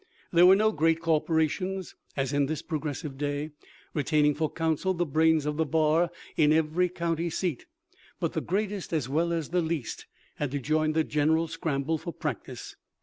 There were no great corporations, as in this progressive day, retaining for counsel the brains of the bar in every county seat, but the greatest as well as the least had to join the general scramble for practice.